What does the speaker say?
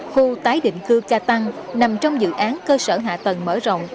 khu tái định cư ca tăng nằm trong dự án cơ sở hạ tầng mở rộng